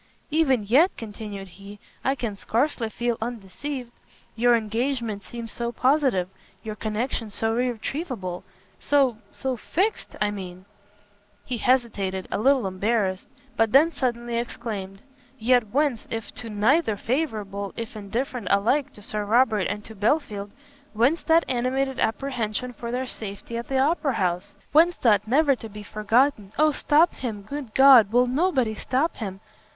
"Even yet," continued he, "I can scarcely feel undeceived; your engagement seemed so positive, your connection so irretrievable, so, so fixed, I mean. " He hesitated, a little embarrassed; but then suddenly exclaimed, "Yet whence, if to neither favourable, if indifferent alike to Sir Robert and to Belfield, whence that animated apprehension for their safety at the Opera house? whence that never to be forgotten _oh stop him! good God! will nobody stop him!